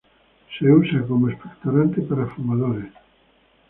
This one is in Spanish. Uso como expectorante para fumadores.